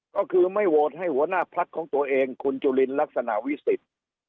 ก็คือไม่โหวตให้หัวหน้าพักของตัวเองคุณจุลินลักษณะวิสิทธิ์